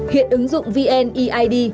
hiện ứng dụng vneid